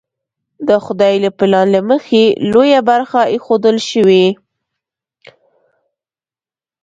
د خدای له پلان له مخې لویه برخه ایښودل شوې.